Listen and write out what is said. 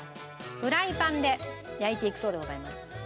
フライパンで焼いていくそうでございます。